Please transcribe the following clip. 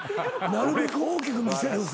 なるべく大きく見せる。